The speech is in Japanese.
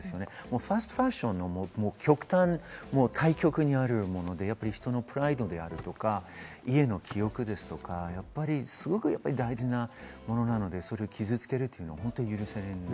ファストファッションの対極にあるもので人のプライドであるとか、家の記憶とか、すごく大事なものなので、傷つけるのは本当に許せないです。